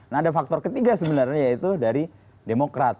nah ada faktor ketiga sebenarnya yaitu dari demokrat